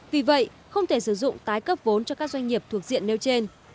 vì vậy không thể sử dụng tái cấp vốn cho các doanh nghiệp thuộc diện nêu trên